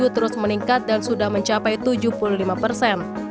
terus meningkat dan sudah mencapai tujuh puluh lima persen